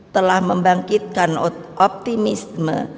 telah membangkitkan optimisme